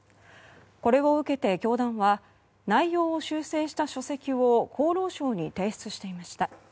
これを受けて教団は内容を修正した書籍を厚労省に提出していました。